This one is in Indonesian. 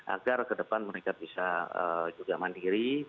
agar ke depan mereka bisa juga mandiri